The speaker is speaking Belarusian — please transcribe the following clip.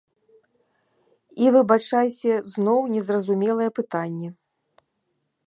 І, выбачайце, зноў незразумелае пытанне.